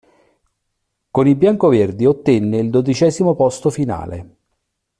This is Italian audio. Con i "biancoverdi" ottenne il dodicesimo posto finale.